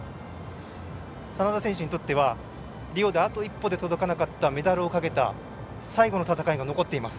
眞田選手にとってはリオであと一歩で届かなかったメダルをかけた最後の戦いが残っています。